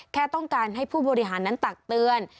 แค่ต้องการให้ผู้บริหารนั้นตักเตือน